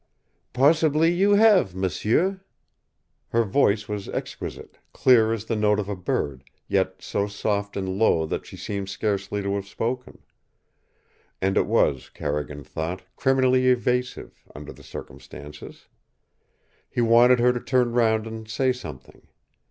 "Possibly you have, m'sieu." Her voice was exquisite, clear as the note of a bird, yet so soft and low that she seemed scarcely to have spoken. And it was, Carrigan thought, criminally evasive under the circumstances. He wanted her to turn round and say something.